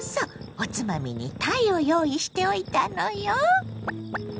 おつまみにたいを用意しておいたのよ。